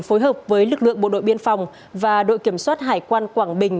phối hợp với lực lượng bộ đội biên phòng và đội kiểm soát hải quan quảng bình